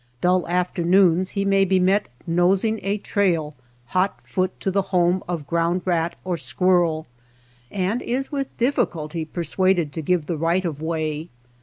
Dull afternoons he may be met nosing a trail hot foot to the home of ground rat or squirrel, and is with difficulty persuaded to give the right of way.